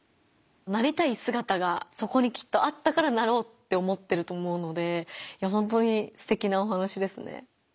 なりたいすがたがそこにきっとあったからなろうって思ってると思うのでほんとにすてきなお話ですね。